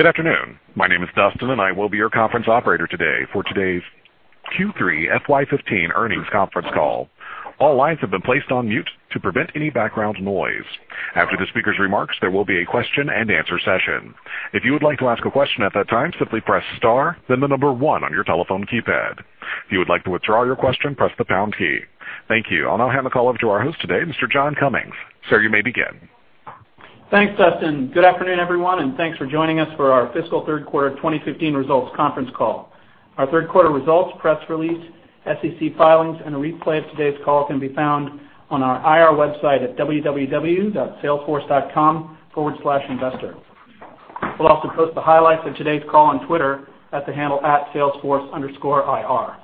Good afternoon. My name is Dustin, and I will be your conference operator today for today's Q3 FY 2015 earnings conference call. All lines have been placed on mute to prevent any background noise. After the speaker's remarks, there will be a question-and-answer session. If you would like to ask a question at that time, simply press star, then the number 1 on your telephone keypad. If you would like to withdraw your question, press the pound key. Thank you. I'll now hand the call over to our host today, Mr. John Cummings. Sir, you may begin. Thanks, Dustin. Good afternoon, everyone, and thanks for joining us for our fiscal third quarter 2015 results conference call. Our third quarter results, press release, SEC filings, and a replay of today's call can be found on our IR website at www.salesforce.com/investor. We'll also post the highlights of today's call on Twitter at the handle @salesforce_IR.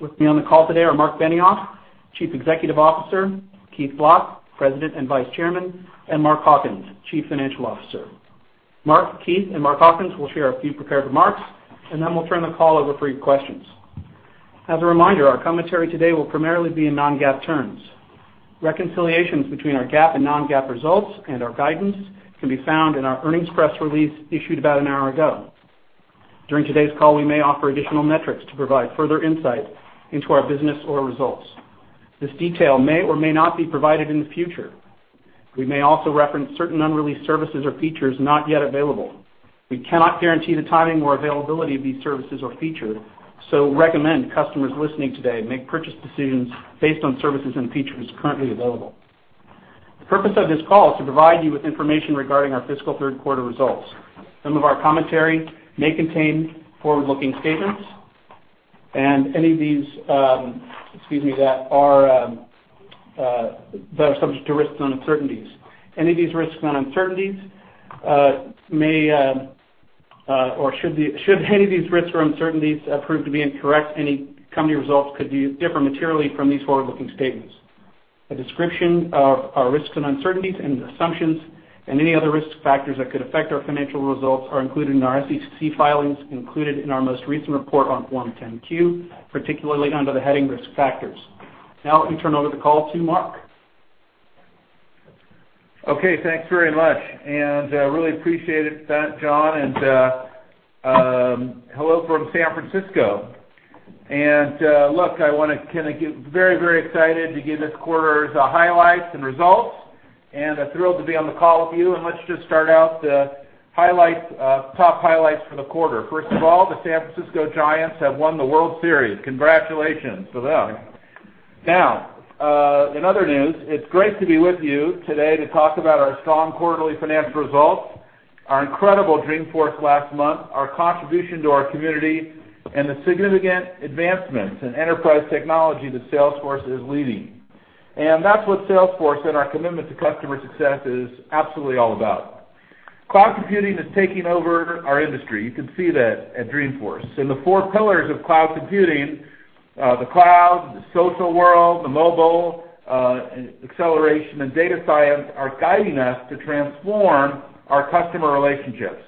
With me on the call today are Marc Benioff, Chief Executive Officer, Keith Block, President and Vice Chairman, and Mark Hawkins, Chief Financial Officer. Marc, Keith, and Mark Hawkins will share a few prepared remarks, and then we'll turn the call over for your questions. As a reminder, our commentary today will primarily be in non-GAAP terms. Reconciliations between our GAAP and non-GAAP results and our guidance can be found in our earnings press release issued about an hour ago. During today's call, we may offer additional metrics to provide further insight into our business or results. This detail may or may not be provided in the future. We may also reference certain unreleased services or features not yet available. We cannot guarantee the timing or availability of these services or features, so recommend customers listening today make purchase decisions based on services and features currently available. The purpose of this call is to provide you with information regarding our fiscal third quarter results. Some of our commentary may contain forward-looking statements, and any of these, excuse me, that are subject to risks and uncertainties. Should any of these risks or uncertainties prove to be incorrect, any company results could differ materially from these forward-looking statements. A description of our risks and uncertainties and assumptions and any other risk factors that could affect our financial results are included in our SEC filings included in our most recent report on Form 10-Q, particularly under the heading Risk Factors. Let me turn over the call to Marc. Okay, thanks very much, really appreciate it, John. Hello from San Francisco. Look, I want to very excited to give this quarter's highlights and results, thrilled to be on the call with you. Let's just start out the top highlights for the quarter. First of all, the San Francisco Giants have won the World Series. Congratulations to them. In other news, it's great to be with you today to talk about our strong quarterly financial results, our incredible Dreamforce last month, our contribution to our community, and the significant advancements in enterprise technology that Salesforce is leading. That's what Salesforce and our commitment to customer success is absolutely all about. Cloud computing is taking over our industry. You could see that at Dreamforce. The four pillars of cloud computing, the cloud, the social world, the mobile, acceleration, and data science, are guiding us to transform our customer relationships.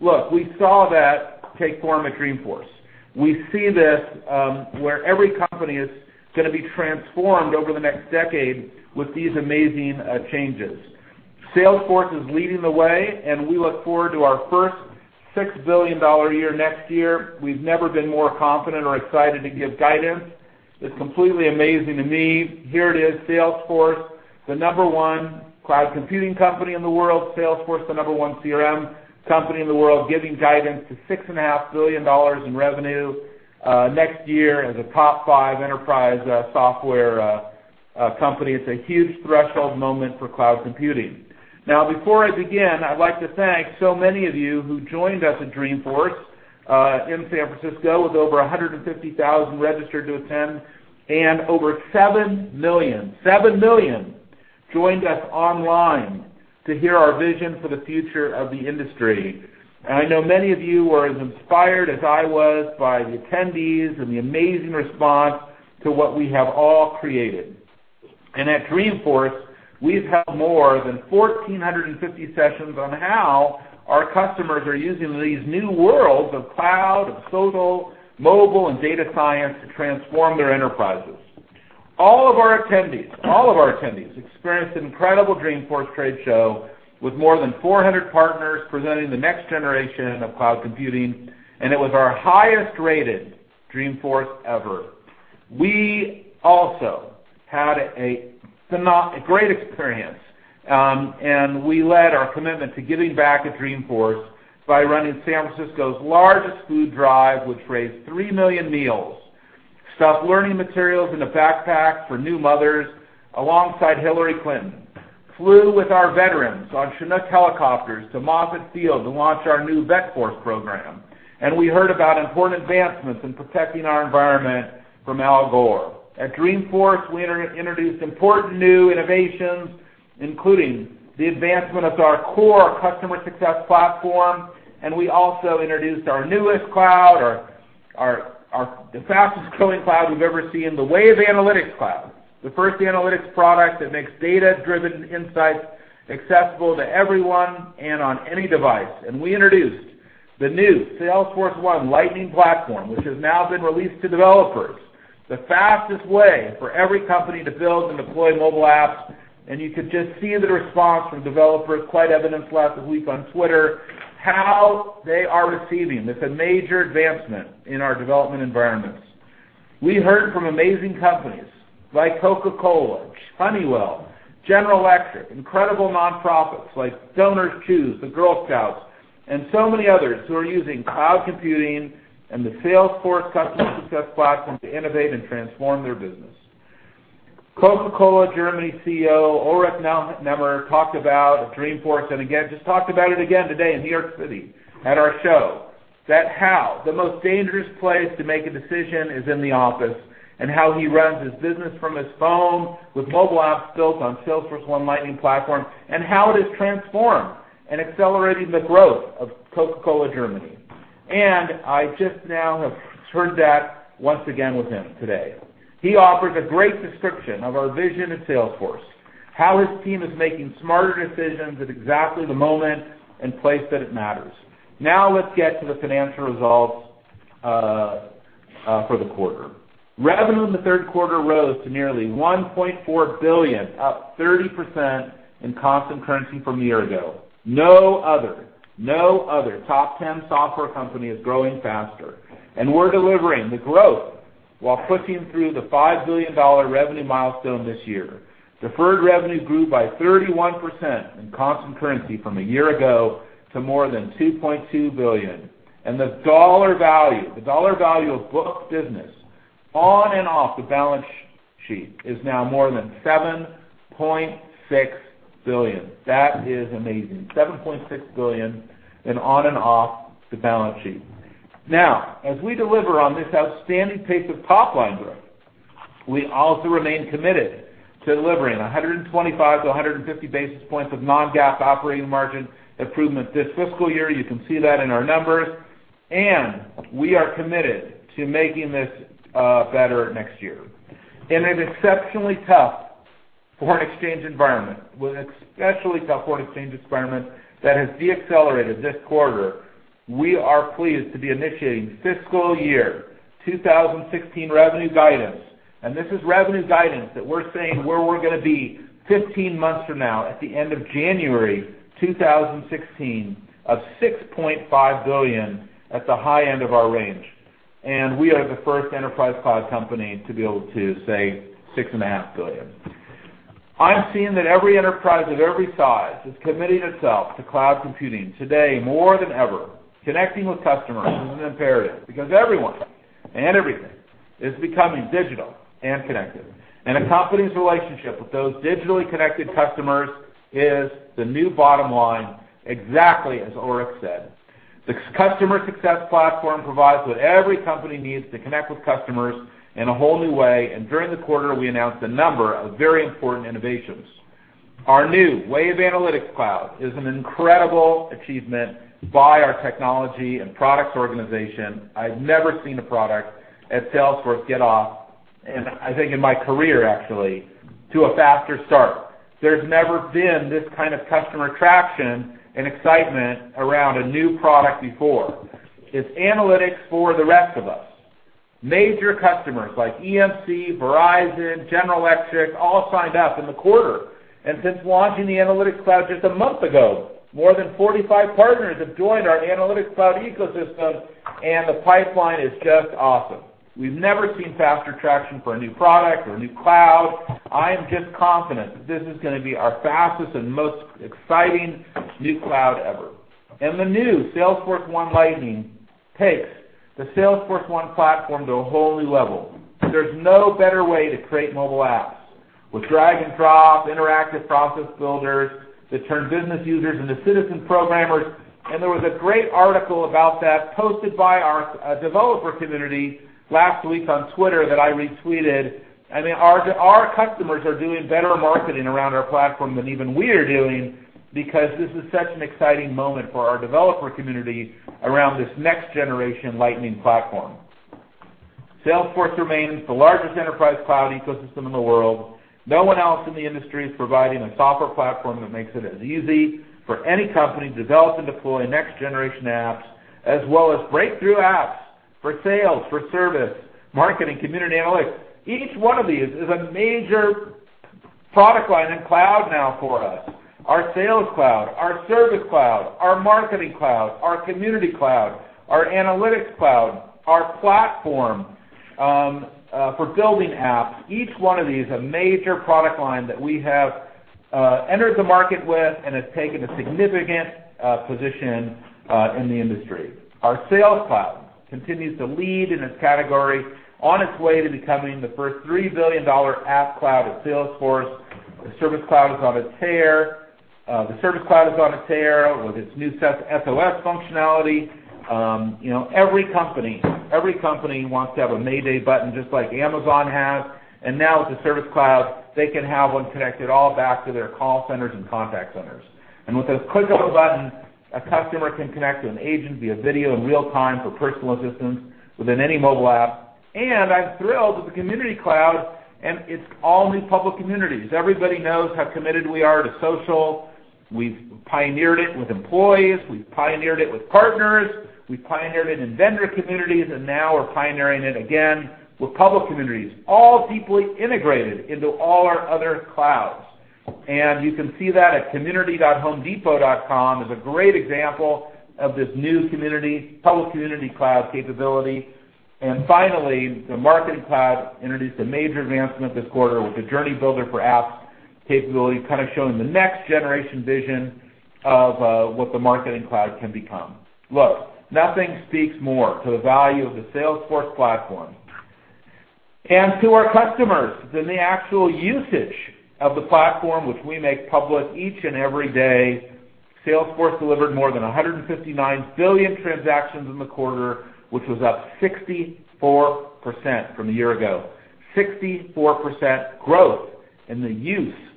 Look, we saw that take form at Dreamforce. We see this where every company is going to be transformed over the next decade with these amazing changes. Salesforce is leading the way, and we look forward to our first $6 billion year next year. We've never been more confident or excited to give guidance. It's completely amazing to me. Here it is, Salesforce, the number one cloud computing company in the world, Salesforce, the number one CRM company in the world, giving guidance to $6.5 billion in revenue. Next year, as a top five enterprise software company, it's a huge threshold moment for cloud computing. Before I begin, I'd like to thank so many of you who joined us at Dreamforce in San Francisco, with over 150,000 registered to attend and over 7 million joined us online to hear our vision for the future of the industry. I know many of you were as inspired as I was by the attendees and the amazing response to what we have all created. At Dreamforce, we've held more than 1,450 sessions on how our customers are using these new worlds of cloud, of social, mobile, and data science to transform their enterprises. All of our attendees experienced an incredible Dreamforce trade show with more than 400 partners presenting the next generation of cloud computing, and it was our highest-rated Dreamforce ever. We also had a great experience, we led our commitment to giving back at Dreamforce by running San Francisco's largest food drive, which raised 3 million meals, stuffed learning materials in a backpack for new mothers alongside Hillary Clinton, flew with our veterans on Chinook helicopters to Moffett Field to launch our new Vetforce program, and we heard about important advancements in protecting our environment from Al Gore. At Dreamforce, we introduced important new innovations, including the advancement of our core customer success platform, and we also introduced our newest cloud, the fastest-growing cloud we've ever seen, the Wave Analytics Cloud, the first analytics product that makes data-driven insights accessible to everyone and on any device. We introduced the new Salesforce1 Lightning Platform, which has now been released to developers, the fastest way for every company to build and deploy mobile apps. You could just see the response from developers, quite evident last week on Twitter, how they are receiving. It's a major advancement in our development environments. We heard from amazing companies like Coca-Cola, Honeywell, General Electric, incredible nonprofits like DonorsChoose, the Girl Scouts, and so many others who are using cloud computing and the Salesforce customer success platform to innovate and transform their business. Coca-Cola Germany CEO, Ulrik Nehammer, talked about Dreamforce, and again, just talked about it again today in New York City at our show, that how the most dangerous place to make a decision is in the office, and how he runs his business from his phone with mobile apps built on Salesforce1 Lightning Platform, and how it has transformed and accelerated the growth of Coca-Cola Germany. I just now have heard that once again with him today. He offered a great description of our vision at Salesforce, how his team is making smarter decisions at exactly the moment and place that it matters. Let's get to the financial results for the quarter. Revenue in the third quarter rose to nearly $1.4 billion, up 30% in constant currency from a year ago. No other top 10 software company is growing faster, and we're delivering the growth while pushing through the $5 billion revenue milestone this year. Deferred revenue grew by 31% in constant currency from a year ago to more than $2.2 billion. The dollar value of booked business on and off the balance sheet is now more than $7.6 billion. That is amazing. $7.6 billion and on and off the balance sheet. As we deliver on this outstanding pace of top-line growth, we also remain committed to delivering 125 to 150 basis points of non-GAAP operating margin improvement this fiscal year. You can see that in our numbers, we are committed to making this better next year. In an exceptionally tough foreign exchange environment that has deaccelerated this quarter, we are pleased to be initiating FY 2016 revenue guidance, this is revenue guidance that we're saying where we're going to be 15 months from now at the end of January 2016 of $6.5 billion at the high end of our range. We are the first enterprise cloud company to be able to say $6.5 billion. I'm seeing that every enterprise of every size is committing itself to cloud computing today more than ever. Connecting with customers is an imperative because everyone and everything is becoming digital and connected. A company's relationship with those digitally connected customers is the new bottom line, exactly as Ulrich said. The customer success platform provides what every company needs to connect with customers in a whole new way. During the quarter, we announced a number of very important innovations. Our new Wave Analytics Cloud is an incredible achievement by our technology and products organization. I've never seen a product at Salesforce get off, and I think in my career actually, to a faster start. There's never been this kind of customer traction and excitement around a new product before. It's analytics for the rest of us. Major customers like EMC, Verizon, General Electric, all signed up in the quarter. Since launching the Analytics Cloud just a month ago, more than 45 partners have joined our Analytics Cloud ecosystem, and the pipeline is just awesome. We've never seen faster traction for a new product or a new cloud. I am just confident that this is going to be our fastest and most exciting new cloud ever. The new Salesforce1 Lightning takes the Salesforce1 Platform to a whole new level. There's no better way to create mobile apps. With drag and drop, interactive process builders that turn business users into citizen programmers, and there was a great article about that posted by our developer community last week on Twitter that I retweeted. Our customers are doing better marketing around our platform than even we are doing because this is such an exciting moment for our developer community around this next generation Lightning Platform. Salesforce remains the largest enterprise cloud ecosystem in the world. No one else in the industry is providing a software platform that makes it as easy for any company to develop and deploy next-generation apps, as well as breakthrough apps for sales, for service, marketing, community, analytics. Each one of these is a major product line and cloud now for us. Our Sales Cloud, our Service Cloud, our Marketing Cloud, our Community Cloud, our Analytics Cloud, our platform for building apps. Each one of these, a major product line that we have entered the market with and has taken a significant position in the industry. Our Sales Cloud continues to lead in its category on its way to becoming the first $3 billion app cloud at Salesforce. The Service Cloud is on its tear with its new SOS functionality. Every company wants to have a mayday button just like Amazon has. Now with the Service Cloud, they can have one connected all back to their call centers and contact centers. With the click of a button, a customer can connect to an agent via video in real time for personal assistance within any mobile app. I'm thrilled with the Community Cloud, and its all new public communities. Everybody knows how committed we are to social. We've pioneered it with employees. We've pioneered it with partners. We pioneered it in vendor communities, and now we're pioneering it again with public communities, all deeply integrated into all our other clouds. You can see that at community.homedepot.com is a great example of this new public Community Cloud capability. Finally, the Marketing Cloud introduced a major advancement this quarter with the Journey Builder for apps capability, showing the next generation vision of what the Marketing Cloud can become. Look, nothing speaks more to the value of the Salesforce platform and to our customers than the actual usage of the platform, which we make public each and every day. Salesforce delivered more than 159 billion transactions in the quarter, which was up 64% from a year ago, 64% growth in the use of our platform.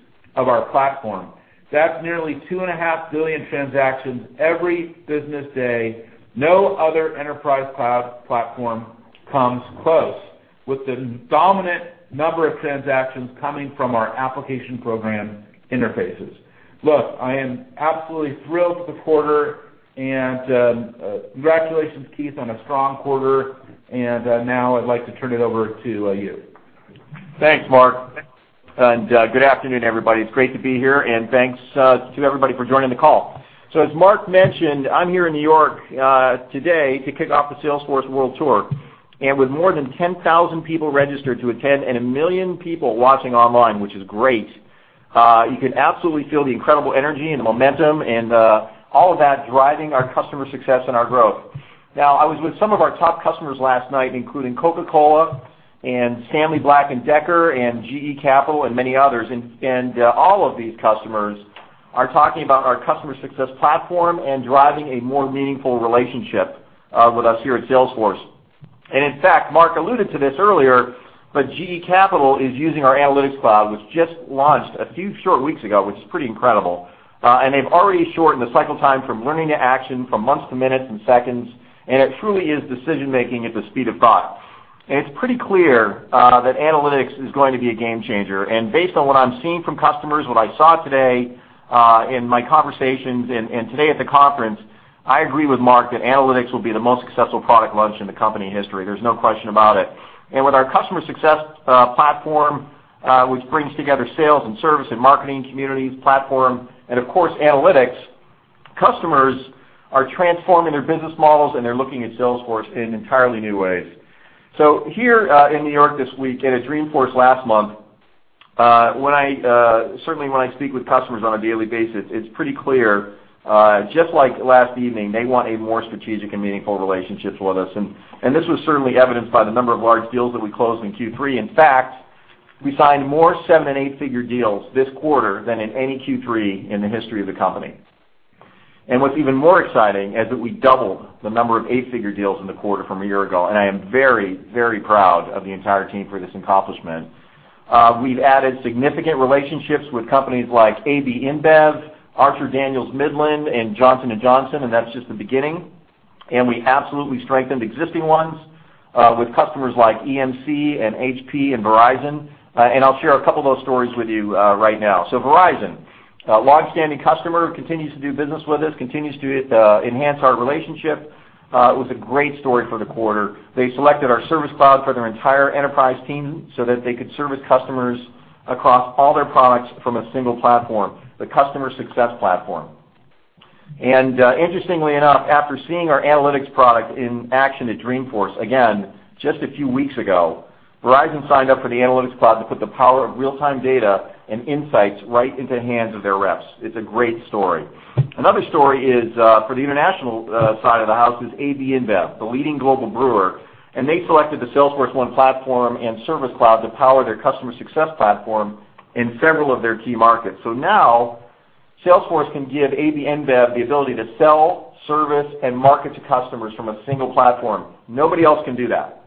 That's nearly 2.5 billion transactions every business day. No other enterprise cloud platform comes close, with the dominant number of transactions coming from our application program interfaces. Look, I am absolutely thrilled with the quarter, and congratulations, Keith, on a strong quarter. Now I'd like to turn it over to you. Thanks, Marc. Good afternoon, everybody. It's great to be here. Thanks to everybody for joining the call. As Marc mentioned, I'm here in N.Y. today to kick off the Salesforce World Tour. With more than 10,000 people registered to attend and 1 million people watching online, which is great, you can absolutely feel the incredible energy and the momentum, and all of that driving our customer success and our growth. I was with some of our top customers last night, including Coca-Cola, Stanley Black & Decker, and GE Capital, and many others. All of these customers are talking about our customer success platform and driving a more meaningful relationship with us here at Salesforce. In fact, Marc alluded to this earlier. GE Capital is using our Analytics Cloud, which just launched a few short weeks ago, which is pretty incredible. They've already shortened the cycle time from learning to action from months to minutes and seconds. It truly is decision-making at the speed of thought. It's pretty clear that Analytics is going to be a game changer. Based on what I'm seeing from customers, what I saw today in my conversations, and today at the conference, I agree with Marc that Analytics will be the most successful product launch in the company history. There's no question about it. With our customer success platform, which brings together Sales and Service and Marketing Communities platform, and of course, Analytics, customers are transforming their business models. They're looking at Salesforce in entirely new ways. Here in N.Y. this week, and at Dreamforce last month, certainly when I speak with customers on a daily basis, it's pretty clear, just like last evening, they want a more strategic and meaningful relationship with us. This was certainly evidenced by the number of large deals that we closed in Q3. In fact, we signed more 7 and 8-figure deals this quarter than in any Q3 in the history of the company. What's even more exciting is that we doubled the number of 8-figure deals in the quarter from a year ago. I am very proud of the entire team for this accomplishment. We've added significant relationships with companies like AB InBev, Archer-Daniels-Midland, and Johnson & Johnson. That's just the beginning. We absolutely strengthened existing ones with customers like EMC, HP, and Verizon. I'll share a couple of those stories with you right now. Verizon, a longstanding customer, continues to do business with us, continues to enhance our relationship. It was a great story for the quarter. They selected our Service Cloud for their entire enterprise team so that they could service customers across all their products from a single platform, the customer success platform. Interestingly enough, after seeing our Analytics product in action at Dreamforce again just a few weeks ago, Verizon signed up for the Analytics Cloud to put the power of real-time data and insights right into the hands of their reps. It's a great story. Another story is for the international side of the house is AB InBev, the leading global brewer. They selected the Salesforce1 platform and Service Cloud to power their customer success platform in several of their key markets. Now, Salesforce can give Anheuser-Busch InBev the ability to sell, service, and market to customers from a single platform. Nobody else can do that.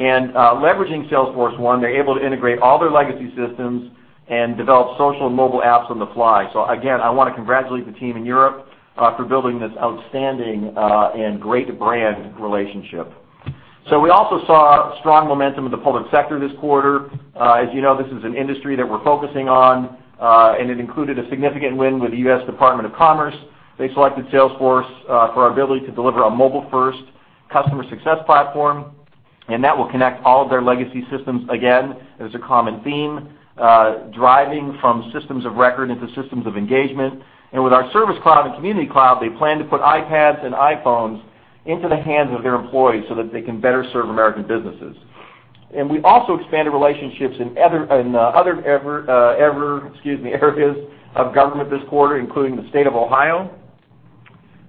Leveraging Salesforce1, they're able to integrate all their legacy systems and develop social and mobile apps on the fly. Again, I want to congratulate the team in Europe for building this outstanding and great brand relationship. We also saw strong momentum in the public sector this quarter. As you know, this is an industry that we're focusing on, and it included a significant win with the U.S. Department of Commerce. They selected Salesforce for our ability to deliver a mobile-first customer success platform, and that will connect all of their legacy systems. Again, there's a common theme, driving from systems of record into systems of engagement. With our Service Cloud and Community Cloud, they plan to put iPads and iPhones into the hands of their employees so that they can better serve American businesses. We also expanded relationships in other areas of government this quarter, including the State of Ohio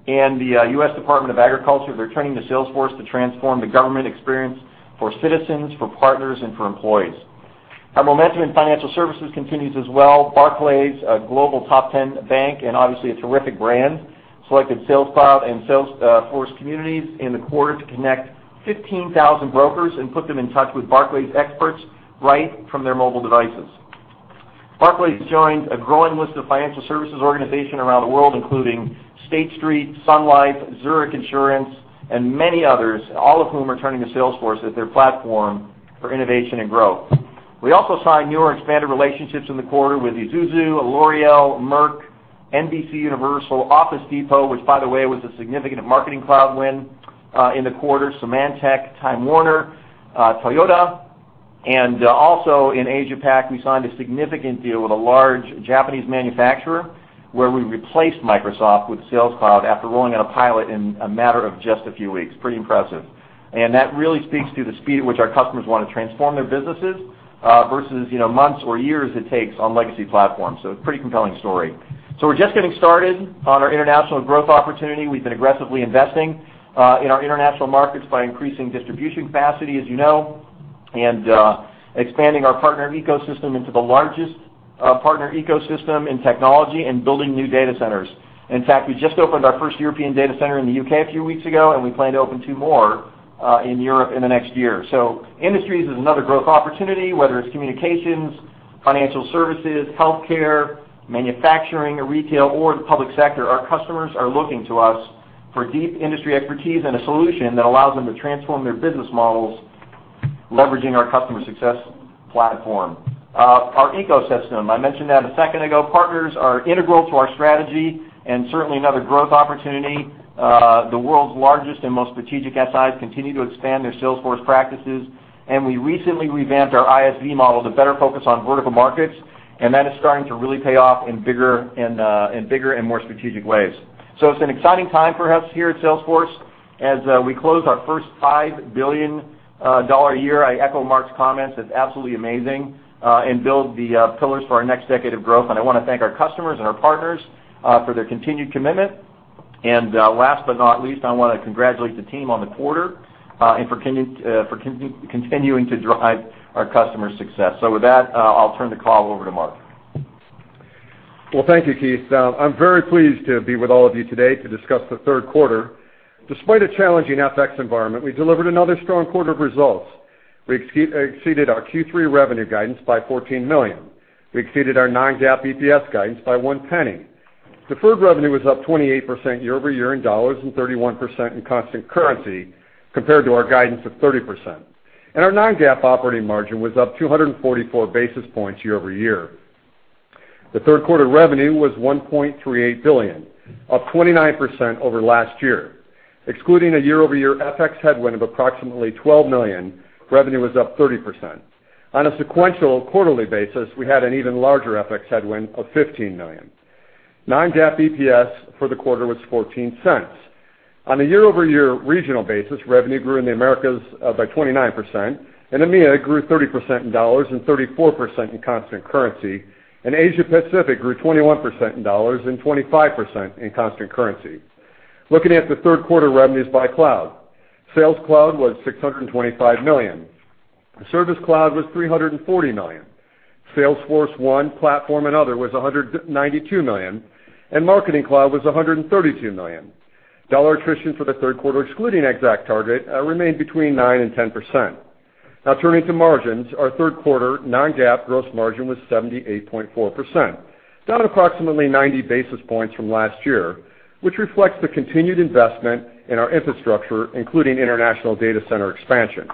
and the U.S. Department of Agriculture. They're turning to Salesforce to transform the government experience for citizens, for partners, and for employees. Our momentum in financial services continues as well. Barclays, a global top 10 bank and obviously a terrific brand, selected Sales Cloud and Salesforce Communities in the quarter to connect 15,000 brokers and put them in touch with Barclays experts right from their mobile devices. Barclays joined a growing list of financial services organization around the world, including State Street, Sun Life, Zurich Insurance, and many others, all of whom are turning to Salesforce as their platform for innovation and growth. We also signed newer expanded relationships in the quarter with Isuzu, L'Oréal, Merck, NBCUniversal, Office Depot, which by the way, was a significant Marketing Cloud win in the quarter, Symantec, Time Warner, Toyota. Also in Asia Pac, we signed a significant deal with a large Japanese manufacturer, where we replaced Microsoft with Sales Cloud after rolling out a pilot in a matter of just a few weeks. Pretty impressive. That really speaks to the speed at which our customers want to transform their businesses, versus months or years it takes on legacy platforms. Pretty compelling story. We're just getting started on our international growth opportunity. We've been aggressively investing in our international markets by increasing distribution capacity, as you know, and expanding our partner ecosystem into the largest partner ecosystem in technology and building new data centers. In fact, we just opened our first European data center in the U.K. a few weeks ago, and we plan to open two more in Europe in the next year. Industries is another growth opportunity, whether it's communications, financial services, healthcare, manufacturing or retail or the public sector. Our customers are looking to us for deep industry expertise and a solution that allows them to transform their business models, leveraging our customer success platform. Our ecosystem, I mentioned that a second ago. Partners are integral to our strategy and certainly another growth opportunity. The world's largest and most strategic SIs continue to expand their Salesforce practices, and we recently revamped our ISV model to better focus on vertical markets, and that is starting to really pay off in bigger and more strategic ways. It's an exciting time for us here at Salesforce as we close our first $5 billion a year. I echo Marc's comments, it's absolutely amazing, and build the pillars for our next decade of growth. I want to thank our customers and our partners for their continued commitment. Last but not least, I want to congratulate the team on the quarter, and for continuing to drive our customers' success. With that, I'll turn the call over to Mark. Well, thank you, Keith. I'm very pleased to be with all of you today to discuss the third quarter. Despite a challenging FX environment, we delivered another strong quarter of results. We exceeded our Q3 revenue guidance by $14 million. We exceeded our non-GAAP EPS guidance by $0.01. Deferred revenue was up 28% year-over-year in U.S. dollars and 31% in constant currency compared to our guidance of 30%. Our non-GAAP operating margin was up 244 basis points year-over-year. The third quarter revenue was $1.38 billion, up 29% over last year. Excluding a year-over-year FX headwind of approximately $12 million, revenue was up 30%. On a sequential quarterly basis, we had an even larger FX headwind of $15 million. Non-GAAP EPS for the quarter was $0.14. On a year-over-year regional basis, revenue grew in the Americas by 29%, in EMEA, it grew 30% in U.S. dollars and 34% in constant currency. In Asia Pacific, grew 21% in U.S. dollars and 25% in constant currency. Looking at the third quarter revenues by Cloud. Sales Cloud was $625 million. The Service Cloud was $340 million. Salesforce1 Platform and other was $192 million, and Marketing Cloud was $132 million. U.S. dollar attrition for the third quarter, excluding ExactTarget, remained between 9%-10%. Turning to margins. Our third quarter non-GAAP gross margin was 78.4%, down approximately 90 basis points from last year, which reflects the continued investment in our infrastructure, including international data center expansion.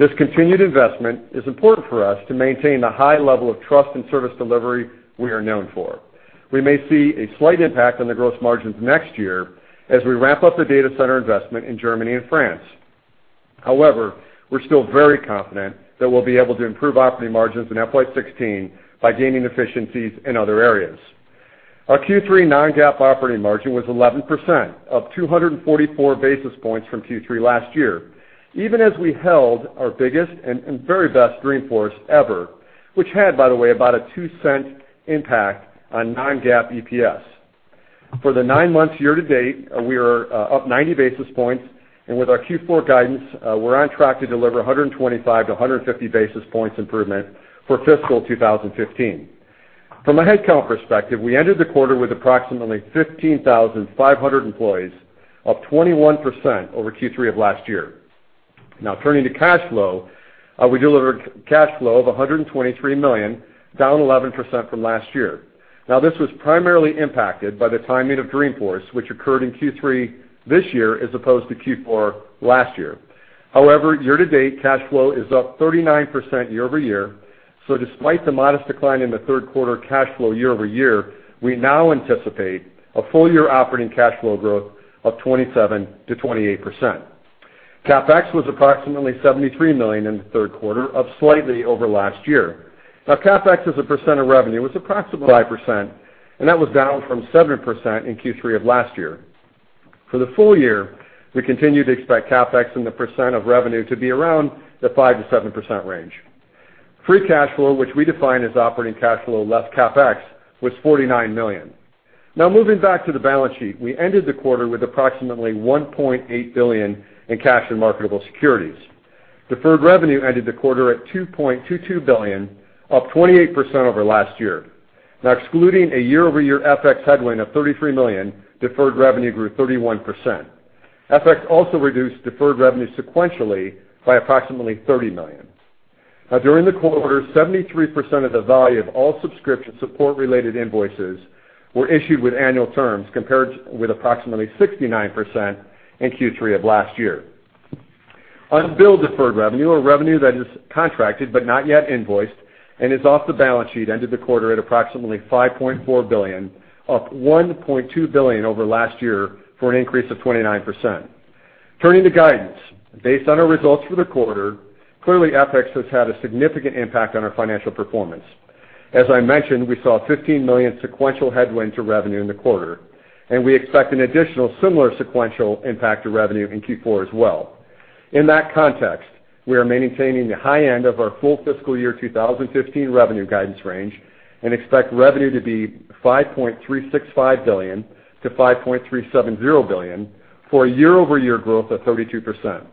This continued investment is important for us to maintain the high level of trust and service delivery we are known for. We may see a slight impact on the gross margins next year as we ramp up the data center investment in Germany and France. However, we're still very confident that we'll be able to improve operating margins in FY 2016 by gaining efficiencies in other areas. Our Q3 non-GAAP operating margin was 11%, up 244 basis points from Q3 last year, even as we held our biggest and very best Dreamforce ever, which had, by the way, about a $0.02 impact on non-GAAP EPS. For the nine months year-to-date, we are up 90 basis points, with our Q4 guidance, we're on track to deliver 125-150 basis points improvement for fiscal 2015. From a headcount perspective, we ended the quarter with approximately 15,500 employees, up 21% over Q3 of last year. Turning to cash flow, we delivered cash flow of $123 million, down 11% from last year. This was primarily impacted by the timing of Dreamforce, which occurred in Q3 this year as opposed to Q4 last year. However, year-to-date, cash flow is up 39% year-over-year. Despite the modest decline in the third quarter cash flow year-over-year, we now anticipate a full year operating cash flow growth of 27%-28%. CapEx was approximately $73 million in the third quarter, up slightly over last year. CapEx as a % of revenue was approximately 5%, and that was down from 7% in Q3 of last year. For the full year, we continue to expect CapEx in the % of revenue to be around the 5%-7% range. Free cash flow, which we define as operating cash flow less CapEx, was $49 million. Moving back to the balance sheet. We ended the quarter with approximately $1.8 billion in cash and marketable securities. Deferred revenue ended the quarter at $2.22 billion, up 28% over last year. Excluding a year-over-year FX headwind of $33 million, deferred revenue grew 31%. FX also reduced deferred revenue sequentially by approximately $30 million. During the quarter, 73% of the value of all subscription support related invoices were issued with annual terms, compared with approximately 69% in Q3 of last year. Unbilled deferred revenue or revenue that is contracted but not yet invoiced and is off the balance sheet, ended the quarter at approximately $5.4 billion, up $1.2 billion over last year for an increase of 29%. Turning to guidance. Based on our results for the quarter, clearly, FX has had a significant impact on our financial performance. As I mentioned, we saw a $15 million sequential headwind to revenue in the quarter, and we expect an additional similar sequential impact to revenue in Q4 as well. In that context, we are maintaining the high end of our full FY 2015 revenue guidance range and expect revenue to be $5.365 billion-$5.370 billion for a year-over-year growth of 32%.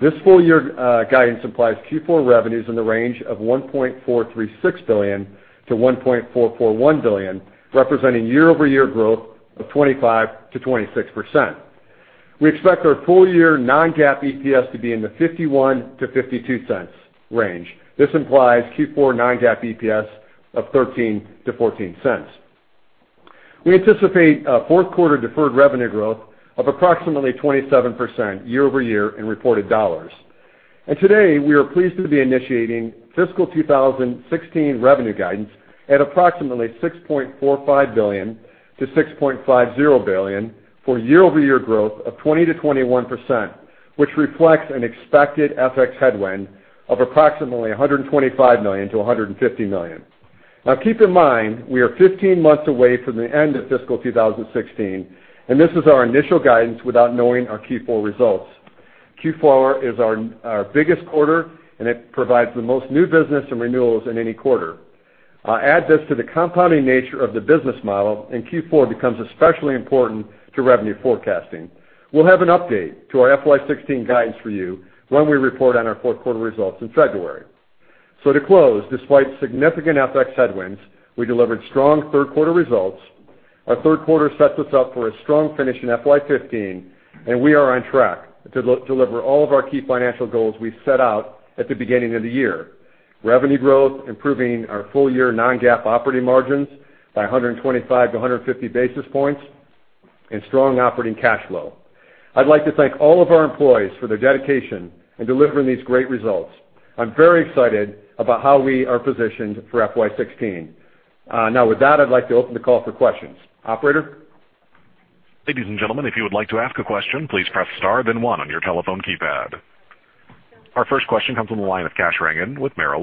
This full year guidance implies Q4 revenues in the range of $1.436 billion-$1.441 billion, representing year-over-year growth of 25%-26%. We expect our full year non-GAAP EPS to be in the $0.51-$0.52 range. This implies Q4 non-GAAP EPS of $0.13-$0.14. We anticipate fourth quarter deferred revenue growth of approximately 27% year-over-year in reported dollars. Today, we are pleased to be initiating FY 2016 revenue guidance at approximately $6.45 billion-$6.50 billion for year-over-year growth of 20%-21%, which reflects an expected FX headwind of approximately $125 million-$150 million. Keep in mind, we are 15 months away from the end of FY 2016, and this is our initial guidance without knowing our Q4 results. Q4 is our biggest quarter, and it provides the most new business and renewals in any quarter. Add this to the compounding nature of the business model, and Q4 becomes especially important to revenue forecasting. We'll have an update to our FY 2016 guidance for you when we report on our fourth quarter results in February. To close, despite significant FX headwinds, we delivered strong third quarter results. Our third quarter sets us up for a strong finish in FY 2015, and we are on track to deliver all of our key financial goals we set out at the beginning of the year. Revenue growth, improving our full-year non-GAAP operating margins by 125-150 basis points, and strong operating cash flow. I'd like to thank all of our employees for their dedication in delivering these great results. I'm very excited about how we are positioned for FY 2016. With that, I'd like to open the call for questions. Operator? Ladies and gentlemen, if you would like to ask a question, please press star, then one on your telephone keypad. Our first question comes on the line of Kash Rangan with Merrill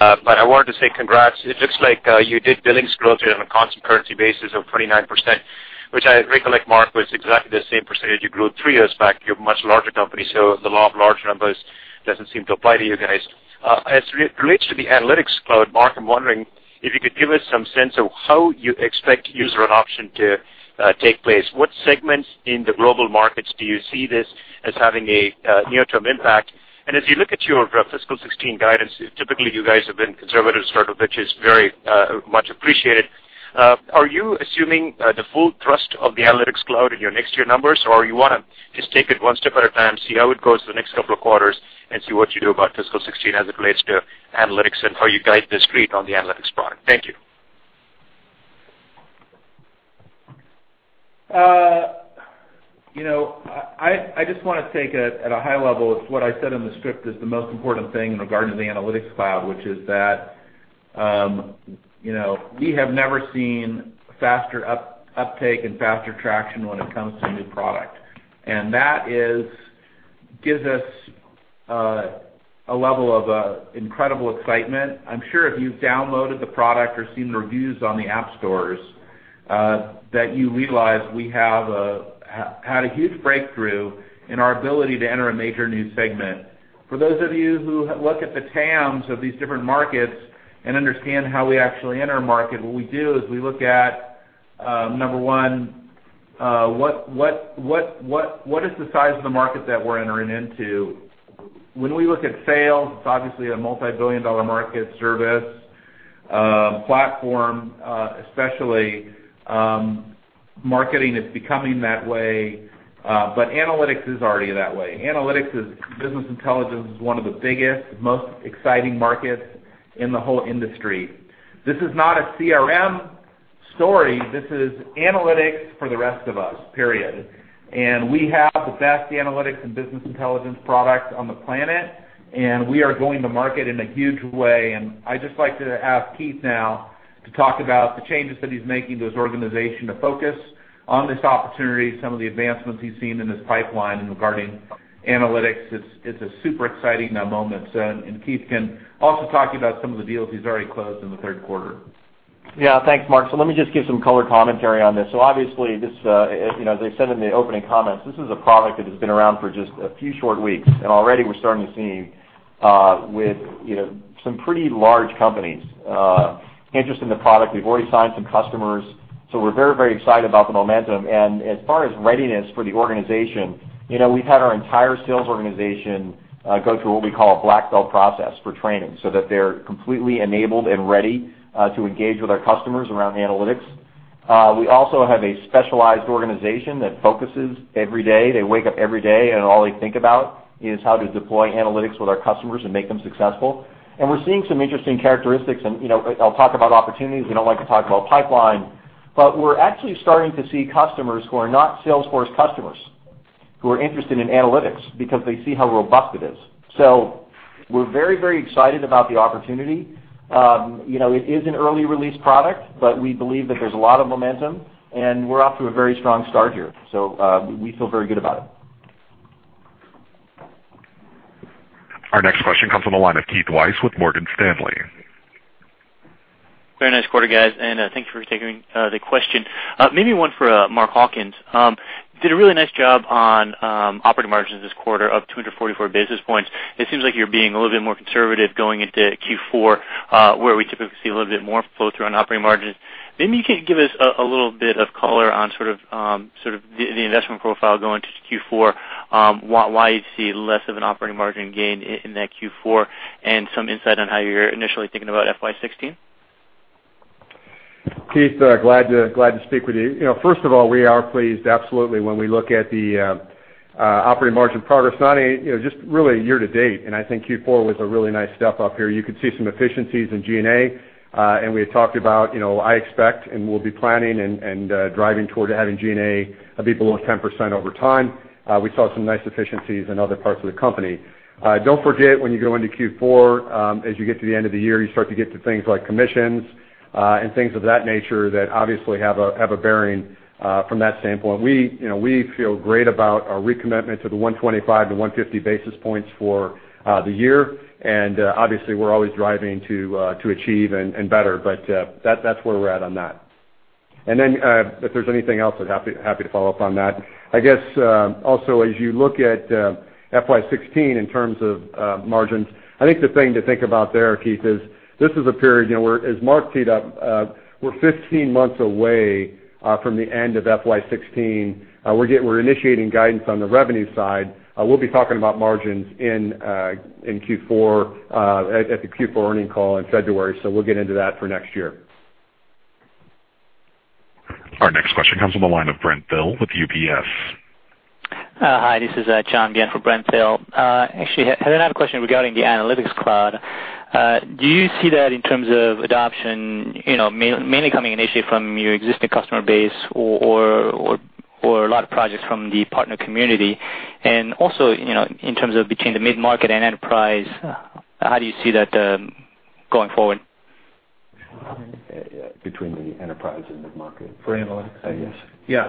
Lynch. I wanted to say congrats. It looks like you did billings growth on a constant currency basis of 29%, which I recollect, Marc, was exactly the same percentage you grew three years back. You're a much larger company, so the law of large numbers doesn't seem to apply to you guys. As it relates to the Analytics Cloud, Mark, I'm wondering if you could give us some sense of how you expect user adoption to take place. What segments in the global markets do you see this as having a near-term impact? If you look at your fiscal 2016 guidance, typically, you guys have been conservative, sort of, which is very much appreciated. Are you assuming the full thrust of the Analytics Cloud in your next year numbers, or you want to just take it one step at a time, see how it goes the next couple of quarters, and see what you do about fiscal 2016 as it relates to Analytics and how you guide the street on the Analytics product? Thank you. I just want to take it at a high level. It's what I said in the script is the most important thing in regards to the Analytics Cloud, which is that we have never seen faster uptake and faster traction when it comes to a new product. That gives us a level of incredible excitement. I'm sure if you've downloaded the product or seen the reviews on the app stores, that you realize we have had a huge breakthrough in our ability to enter a major new segment. For those of you who look at the TAMs of these different markets and understand how we actually enter a market, what we do is we look at, number 1, what is the size of the market that we're entering into. When we look at Sales, it's obviously a multi-billion dollar market service platform, especially marketing is becoming that way. Analytics is already that way. Analytics is business intelligence, is one of the biggest, most exciting markets in the whole industry. This is not a CRM story. This is analytics for the rest of us, period. We have the best analytics and business intelligence products on the planet, and we are going to market in a huge way. I'd just like to ask Keith now to talk about the changes that he's making to his organization to focus on this opportunity, some of the advancements he's seen in this pipeline regarding analytics. It's a super exciting moment. Keith can also talk about some of the deals he's already closed in the third quarter. Yeah. Thanks, Mark. Let me just give some color commentary on this. Obviously, as I said in the opening comments, this is a product that has been around for just a few short weeks, and already we're starting to see with some pretty large companies interest in the product. We've already signed some customers, so we're very excited about the momentum. As far as readiness for the organization, we've had our entire sales organization go through what we call a black belt process for training, so that they're completely enabled and ready to engage with our customers around analytics. We also have a specialized organization that focuses every day. They wake up every day, and all they think about is how to deploy analytics with our customers and make them successful. We're seeing some interesting characteristics, and I'll talk about opportunities. We don't like to talk about pipeline, but we're actually starting to see customers who are not Salesforce customers, who are interested in analytics because they see how robust it is. We're very excited about the opportunity. It is an early release product, but we believe that there's a lot of momentum, and we're off to a very strong start here. We feel very good about it. Our next question comes from the line of Keith Weiss with Morgan Stanley. Very nice quarter, guys, thanks for taking the question. Maybe one for Mark Hawkins. Did a really nice job on operating margins this quarter of 244 basis points. It seems like you're being a little bit more conservative going into Q4, where we typically see a little bit more flow through on operating margins. Maybe you could give us a little bit of color on the investment profile going into Q4, why you see less of an operating margin gain in that Q4, and some insight on how you're initially thinking about FY 2016. Keith, glad to speak with you. First of all, we are pleased, absolutely, when we look at the operating margin progress, not only just really year-to-date, I think Q4 was a really nice step up here. You could see some efficiencies in G&A, we had talked about, I expect, we'll be planning and driving toward having G&A be below 10% over time. We saw some nice efficiencies in other parts of the company. Don't forget, when you go into Q4, as you get to the end of the year, you start to get to things like commissions and things of that nature that obviously have a bearing from that standpoint. We feel great about our recommitment to the 125-150 basis points for the year, obviously, we're always driving to achieve and better, that's where we're at on that. Then, if there's anything else, I'd happy to follow up on that. I guess, also, as you look at FY 2016 in terms of margins, I think the thing to think about there, Keith, is this is a period, as Mark teed up, we're 15 months away from the end of FY 2016. We're initiating guidance on the revenue side. We'll be talking about margins in Q4 at the Q4 earning call in February, we'll get into that for next year. Our next question comes from the line of Brent Thill with UBS. Hi, this is John again for Brent Thill. Actually, I had another question regarding the Analytics Cloud. Do you see that in terms of adoption mainly coming initially from your existing customer base or a lot of projects from the partner community? Also, in terms of between the mid-market and enterprise, how do you see that going forward? Between the enterprise and mid-market. For Analytics? Yes.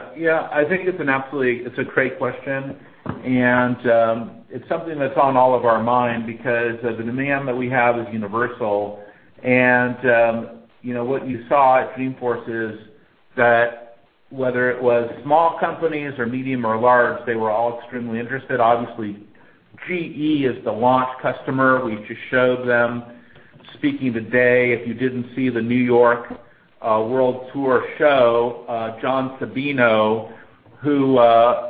I think it's a great question, and it's something that's on all of our minds because the demand that we have is universal. What you saw at Dreamforce is that whether it was small companies or medium or large, they were all extremely interested. Obviously, GE is the launch customer. We've just showed them speaking today. If you didn't see the New York World Tour show, John Sabino, who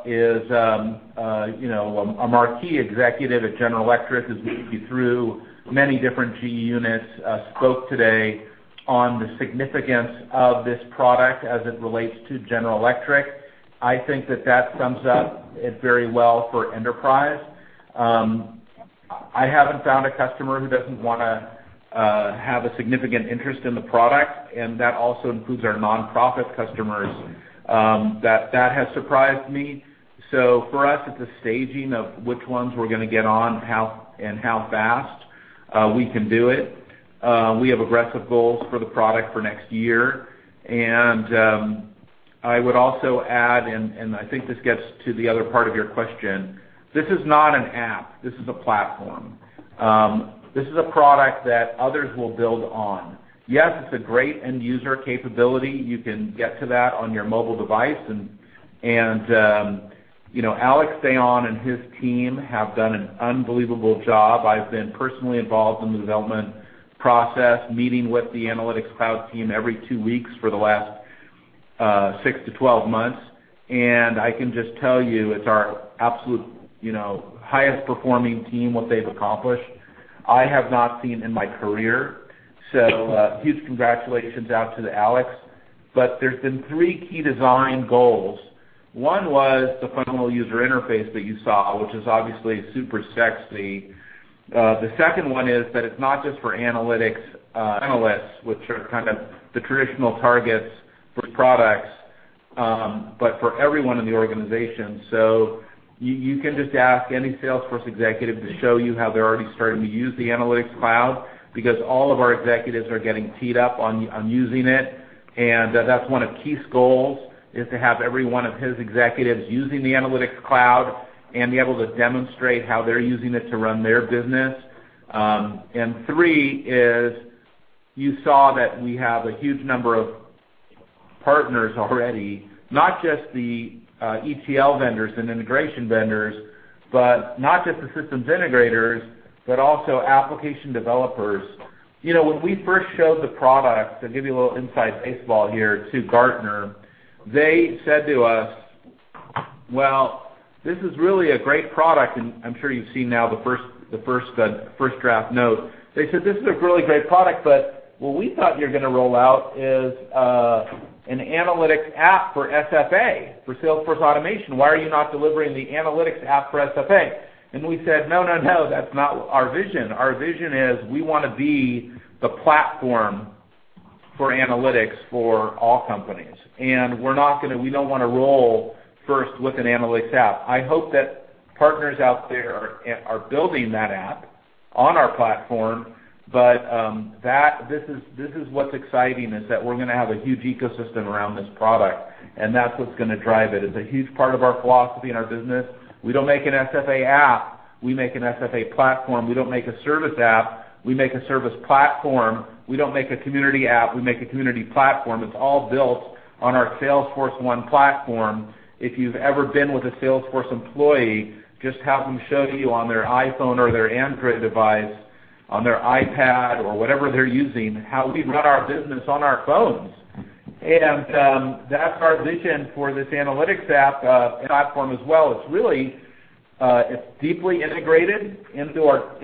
is a marquee executive at General Electric, has walked you through many different GE units, spoke today on the significance of this product as it relates to General Electric. I think that sums it up very well for enterprise. I haven't found a customer who doesn't want to have a significant interest in the product, and that also includes our non-profit customers. That has surprised me. For us, it's a staging of which ones we're going to get on and how fast we can do it. We have aggressive goals for the product for next year. I would also add, and I think this gets to the other part of your question, this is not an app, this is a platform. This is a product that others will build on. Yes, it's a great end-user capability. You can get to that on your mobile device, and Alexandre Dayon and his team have done an unbelievable job. I've been personally involved in the development process, meeting with the Analytics Cloud team every two weeks for the last six to 12 months, and I can just tell you, it's our absolute highest performing team, what they've accomplished. I have not seen in my career. Huge congratulations out to Alex. There's been three key design goals. One was the final user interface that you saw, which is obviously super sexy. The second one is that it's not just for analytics analysts, which are kind of the traditional targets for products, but for everyone in the organization. You can just ask any Salesforce executive to show you how they're already starting to use the Analytics Cloud because all of our executives are getting teed up on using it. That's one of Keith's goals, is to have every one of his executives using the Analytics Cloud and be able to demonstrate how they're using it to run their business. Three is you saw that we have a huge number of partners already, not just the ETL vendors and integration vendors, but not just the systems integrators, but also application developers. When we first showed the product, to give you a little inside baseball here, to Gartner, they said to us Well, this is really a great product, and I'm sure you've seen now the first draft note. They said, "This is a really great product, but what we thought you were going to roll out is an analytics app for SFA, for Salesforce automation. Why are you not delivering the analytics app for SFA?" We said, "No, that's not our vision. Our vision is we want to be the platform for analytics for all companies, and we don't want to roll first with an analytics app." I hope that partners out there are building that app on our platform. This is what's exciting, is that we're going to have a huge ecosystem around this product, and that's what's going to drive it. It's a huge part of our philosophy and our business. We don't make an SFA app. We make an SFA platform. We don't make a service app. We make a service platform. We don't make a community app. We make a community platform. It's all built on our Salesforce1 platform. If you've ever been with a Salesforce employee, just have them show you on their iPhone or their Android device, on their iPad or whatever they're using, how we run our business on our phones. That's our vision for this analytics app platform as well. It's deeply integrated into our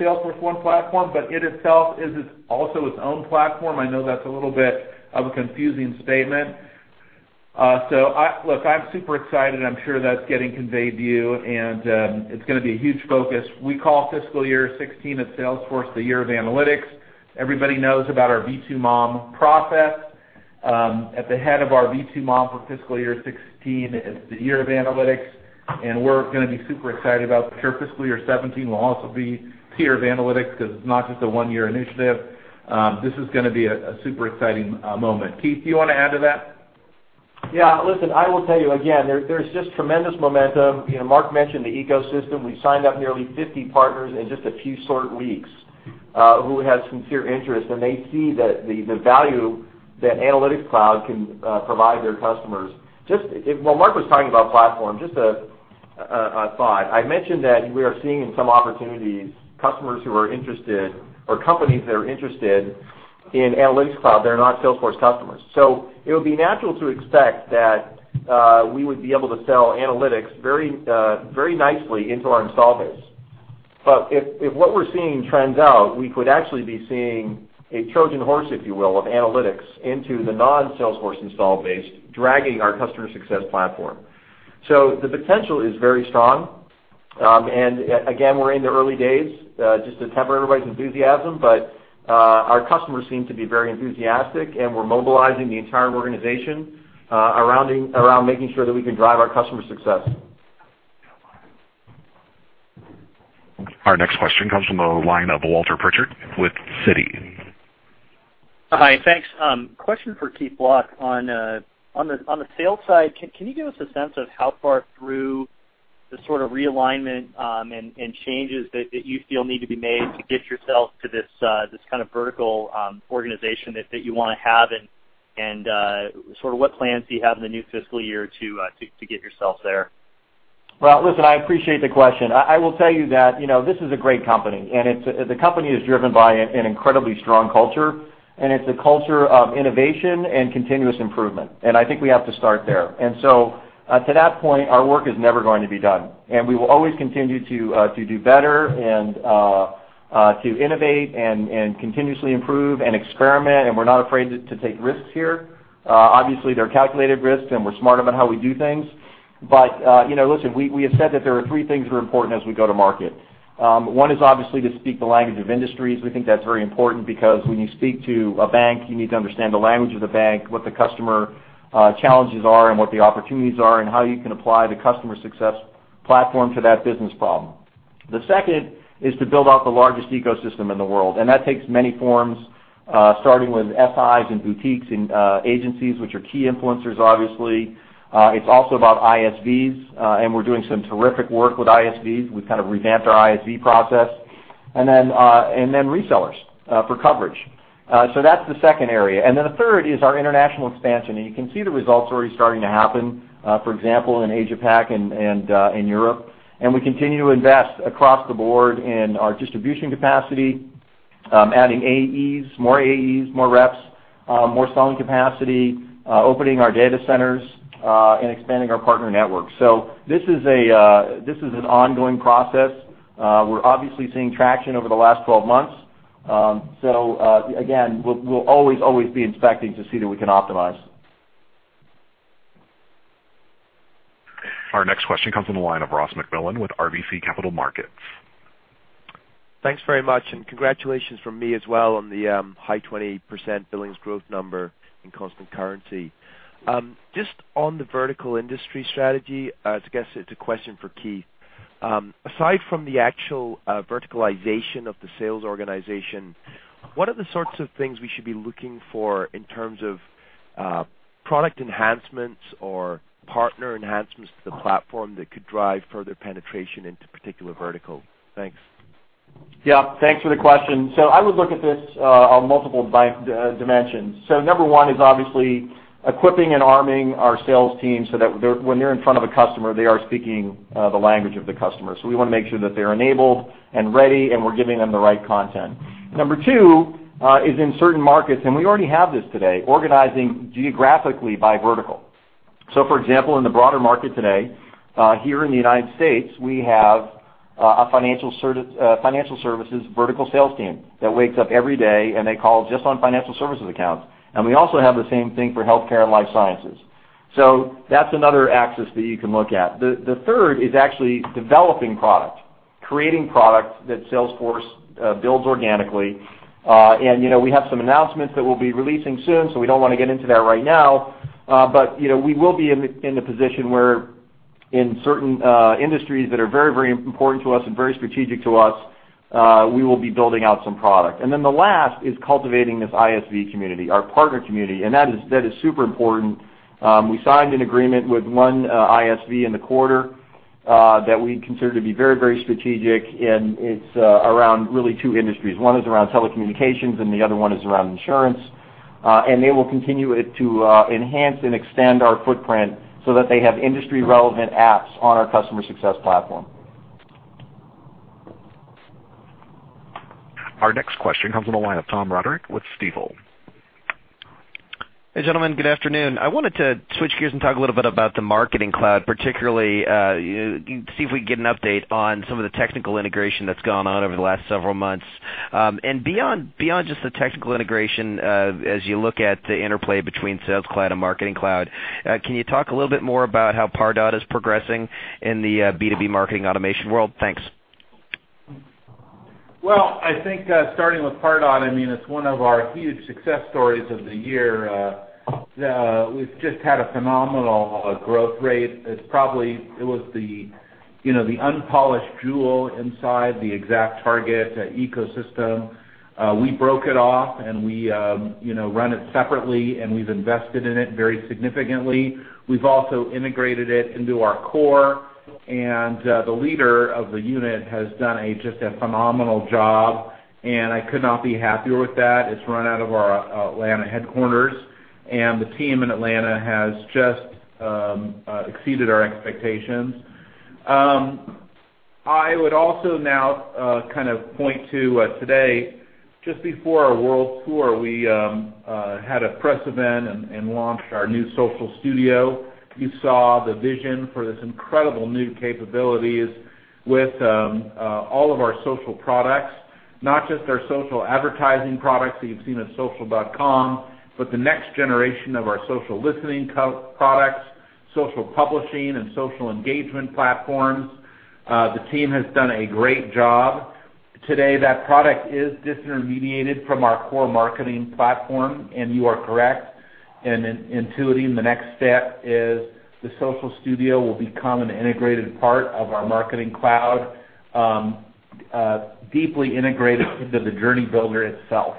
Salesforce1 platform, but it itself is also its own platform. I know that's a little bit of a confusing statement. Look, I'm super excited. I'm sure that's getting conveyed to you, and it's going to be a huge focus. We call fiscal year 2016 at Salesforce the year of analytics. Everybody knows about our V2 MOM process. At the head of our V2 MOM for fiscal year 2016, it's the year of analytics, and we're going to be super excited. I'm sure fiscal year 2017 will also be the year of analytics because it's not just a one-year initiative. This is going to be a super exciting moment. Keith, do you want to add to that? Yeah. Listen, I will tell you again, there's just tremendous momentum. Marc mentioned the ecosystem. We signed up nearly 50 partners in just a few short weeks, who had sincere interest, and they see the value that Analytics Cloud can provide their customers. While Marc was talking about platform, just a thought. I mentioned that we are seeing in some opportunities, customers who are interested or companies that are interested in Analytics Cloud that are not Salesforce customers. It would be natural to expect that we would be able to sell analytics very nicely into our install base. If what we're seeing trends out, we could actually be seeing a Trojan horse, if you will, of analytics into the non-Salesforce install base, dragging our customer success platform. The potential is very strong, and again, we're in the early days. Just to temper everybody's enthusiasm, but our customers seem to be very enthusiastic, and we're mobilizing the entire organization around making sure that we can drive our customer success. Our next question comes from the line of Walter Pritchard with Citi. Hi, thanks. Question for Keith Block. On the sales side, can you give us a sense of how far through the sort of realignment and changes that you feel need to be made to get yourself to this kind of vertical organization that you want to have, and what plans do you have in the new fiscal year to get yourself there? Well, listen, I appreciate the question. I will tell you that this is a great company, and the company is driven by an incredibly strong culture, and it's a culture of innovation and continuous improvement, and I think we have to start there. To that point, our work is never going to be done. We will always continue to do better and to innovate and continuously improve and experiment, and we're not afraid to take risks here. Obviously, they're calculated risks, and we're smart about how we do things. Listen, we have said that there are three things that are important as we go to market. One is obviously to speak the language of industries. We think that's very important because when you speak to a bank, you need to understand the language of the bank, what the customer challenges are, and what the opportunities are, and how you can apply the customer success platform to that business problem. The second is to build out the largest ecosystem in the world, that takes many forms, starting with SIs and boutiques and agencies, which are key influencers, obviously. It's also about ISVs, and we're doing some terrific work with ISVs. We've revamped our ISV process, then resellers for coverage. That's the second area. The third is our international expansion. You can see the results already starting to happen, for example, in Asia-Pac and in Europe. We continue to invest across the board in our distribution capacity, adding AEs, more AEs, more reps, more selling capacity, opening our data centers, and expanding our partner network. This is an ongoing process. We're obviously seeing traction over the last 12 months. Again, we'll always be inspecting to see that we can optimize. Our next question comes from the line of Ross MacMillan with RBC Capital Markets. Thanks very much, congratulations from me as well on the high 20% billings growth number in constant currency. Just on the vertical industry strategy, I guess it's a question for Keith. Aside from the actual verticalization of the sales organization, what are the sorts of things we should be looking for in terms of product enhancements or partner enhancements to the platform that could drive further penetration into particular verticals? Thanks. Yeah. Thanks for the question. I would look at this on multiple dimensions. Number one is obviously equipping and arming our sales team so that when they're in front of a customer, they are speaking the language of the customer. We want to make sure that they're enabled and ready, and we're giving them the right content. Number two is in certain markets, and we already have this today, organizing geographically by vertical. For example, in the broader market today, here in the U.S., we have a financial services vertical sales team that wakes up every day, and they call just on financial services accounts. We also have the same thing for healthcare and life sciences. That's another axis that you can look at. The third is actually developing product, creating product that Salesforce builds organically. We have some announcements that we'll be releasing soon, we don't want to get into that right now. We will be in the position where in certain industries that are very important to us and very strategic to us, we will be building out some product. The last is cultivating this ISV community, our partner community, and that is super important. We signed an agreement with one ISV in the quarter, that we consider to be very strategic, and it's around really two industries. One is around telecommunications and the other one is around insurance. They will continue to enhance and extend our footprint so that they have industry-relevant apps on our customer success platform. Our next question comes on the line of Tom Roderick with Stifel. Hey, gentlemen. Good afternoon. I wanted to switch gears and talk a little bit about the Marketing Cloud, particularly, see if we can get an update on some of the technical integration that's gone on over the last several months. Beyond just the technical integration, as you look at the interplay between Sales Cloud and Marketing Cloud, can you talk a little more about how Pardot is progressing in the B2B marketing automation world? Thanks. I think, starting with Pardot, it's one of our huge success stories of the year. We've just had a phenomenal growth rate. It was the unpolished jewel inside the ExactTarget ecosystem. We broke it off and we run it separately. We've invested in it very significantly. We've also integrated it into our core. The leader of the unit has done just a phenomenal job. I could not be happier with that. It's run out of our Atlanta headquarters. The team in Atlanta has just exceeded our expectations. I would also now point to today, just before our Salesforce World Tour, we had a press event and launched our new Social Studio. You saw the vision for these incredible new capabilities with all of our social products. Not just our social advertising products that you've seen at Social.com, but the next generation of our social listening products, social publishing, and social engagement platforms. The team has done a great job. Today, that product is disintermediated from our core marketing platform. You are correct. In uniting, the next step is the Social Studio will become an integrated part of our Marketing Cloud, deeply integrated into the Journey Builder itself.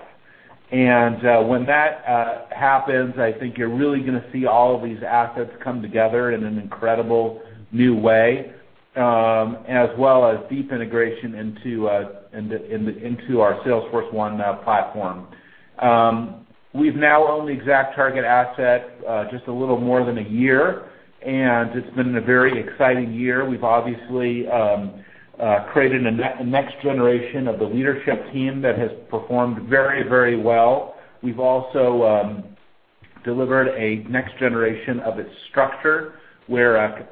When that happens, I think you're really going to see all of these assets come together in an incredible new way, as well as deep integration into our Salesforce1 platform. We've now owned the ExactTarget asset just a little more than a year. It's been a very exciting year. We've obviously created a next generation of the leadership team that has performed very well. We've also delivered a next generation of its structure, where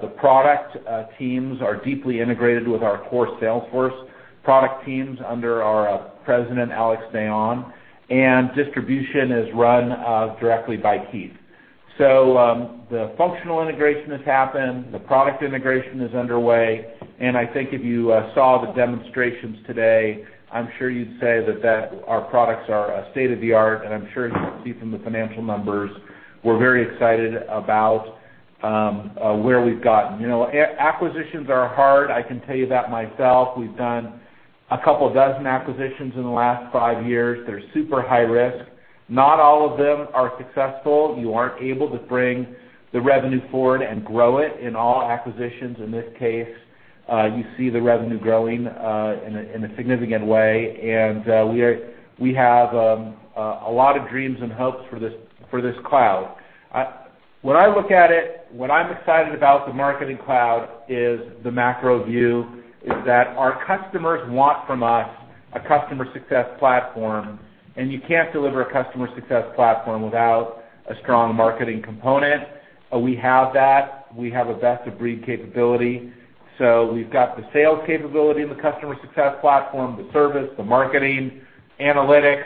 the product teams are deeply integrated with our core Salesforce product teams under our president, Alex Dayon. Distribution is run directly by Keith. The functional integration has happened. The product integration is underway. I think if you saw the demonstrations today, I'm sure you'd say that our products are state-of-the-art. I'm sure you can see from the financial numbers, we're very excited about where we've gotten. Acquisitions are hard. I can tell you that myself. We've done a couple dozen acquisitions in the last five years. They're super high risk. Not all of them are successful. You aren't able to bring the revenue forward and grow it in all acquisitions. In this case, you see the revenue growing in a significant way. We have a lot of dreams and hopes for this cloud. When I look at it, what I'm excited about the Marketing Cloud is the macro view, is that our customers want from us a customer success platform. You can't deliver a customer success platform without a strong marketing component. We have that. We have a best-of-breed capability. We've got the sales capability in the customer success platform, the service, the marketing, Analytics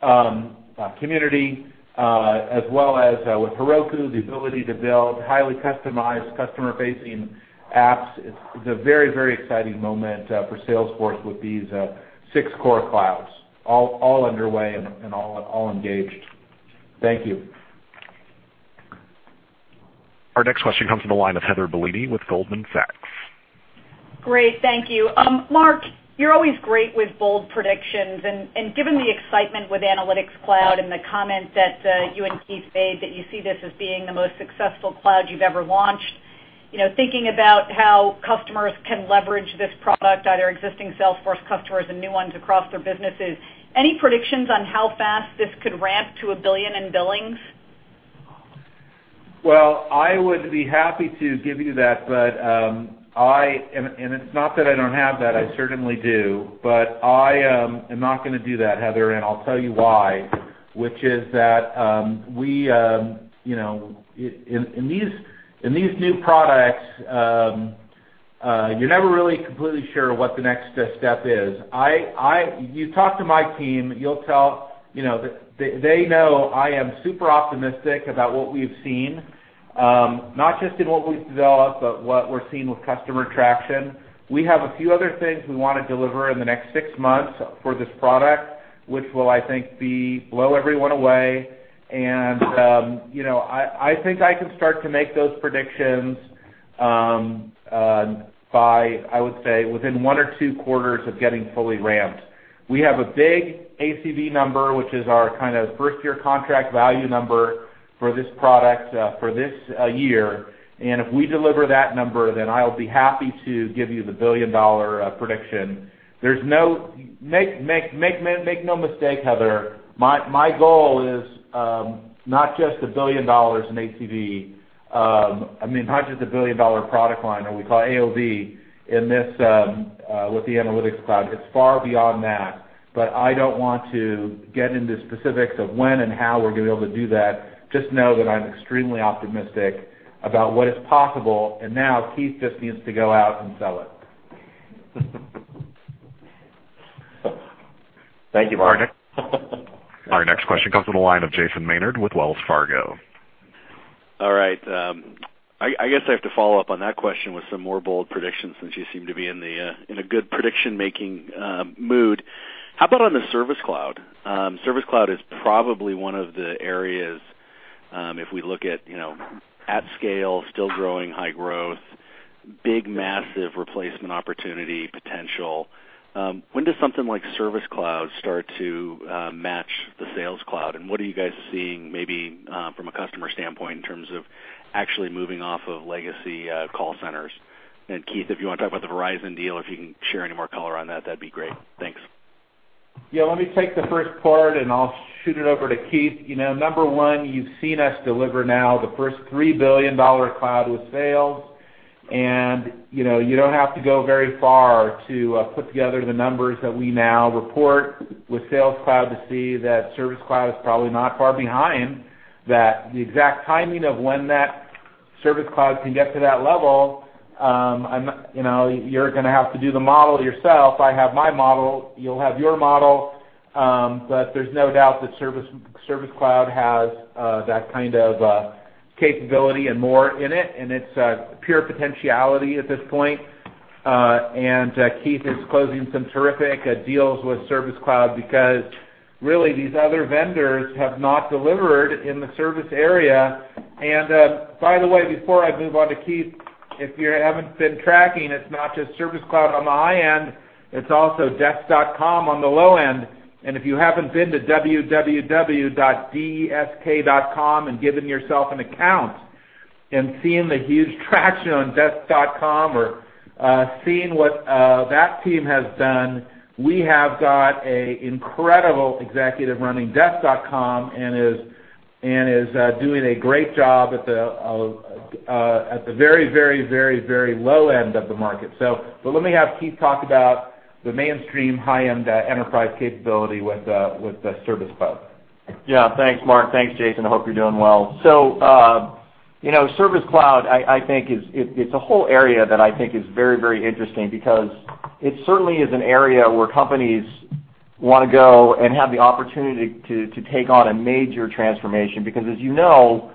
Cloud, Community Cloud, as well as with Heroku, the ability to build highly customized customer-facing apps. It's a very exciting moment for Salesforce with these six core clouds, all underway and all engaged. Thank you. Our next question comes from the line of Heather Bellini with Goldman Sachs. Great. Thank you. Mark, you're always great with bold predictions. Given the excitement with Analytics Cloud and the comment that you and Keith made, that you see this as being the most successful cloud you've ever launched, thinking about how customers can leverage this product, either existing Salesforce customers and new ones across their businesses, any predictions on how fast this could ramp to $1 billion in billings? Well, I would be happy to give you that. It's not that I don't have that, I certainly do. I am not going to do that, Heather. I'll tell you why, which is that in these new products- You're never really completely sure what the next step is. You talk to my team, they know I am super optimistic about what we've seen, not just in what we've developed, but what we're seeing with customer traction. We have a few other things we want to deliver in the next six months for this product, which will, I think, blow everyone away. I think I can start to make those predictions by, I would say, within one or two quarters of getting fully ramped. We have a big ACV number, which is our first year contract value number for this product for this year. If we deliver that number, then I'll be happy to give you the $1 billion-dollar prediction. Make no mistake, Heather, my goal is not just $1 billion in ACV. I mean, not just a billion-dollar product line, or we call AOV, with the Analytics Cloud. It's far beyond that. I don't want to get into specifics of when and how we're going to be able to do that. Just know that I'm extremely optimistic about what is possible, and now Keith just needs to go out and sell it. Thank you, Mark. Our next question comes from the line of Jason Maynard with Wells Fargo. All right. I guess I have to follow up on that question with some more bold predictions, since you seem to be in a good prediction-making mood. How about on the Service Cloud? Service Cloud is probably one of the areas, if we look at scale, still growing, high growth, big, massive replacement opportunity potential. When does something like Service Cloud start to match the Sales Cloud? What are you guys seeing, maybe from a customer standpoint, in terms of actually moving off of legacy call centers? Keith, if you want to talk about the Verizon deal, if you can share any more color on that'd be great. Thanks. Let me take the first part. I'll shoot it over to Keith. Number one, you've seen us deliver now the first $3 billion cloud with Sales Cloud. You don't have to go very far to put together the numbers that we now report with Sales Cloud to see that Service Cloud is probably not far behind. The exact timing of when that Service Cloud can get to that level, you're going to have to do the model yourself. I have my model. You'll have your model. There's no doubt that Service Cloud has that kind of capability and more in it, and it's pure potentiality at this point. Keith is closing some terrific deals with Service Cloud because really these other vendors have not delivered in the service area. By the way, before I move on to Keith, if you haven't been tracking, it's not just Service Cloud on the high end, it's also Desk.com on the low end. If you haven't been to www.desk.com and given yourself an account and seen the huge traction on Desk.com or seen what that team has done, we have got an incredible executive running Desk.com and is doing a great job at the very low end of the market. Let me have Keith talk about the mainstream high-end enterprise capability with Service Cloud. Yeah. Thanks, Mark. Thanks, Jason. I hope you're doing well. Service Cloud, it's a whole area that I think is very interesting because it certainly is an area where companies want to go and have the opportunity to take on a major transformation. As you know,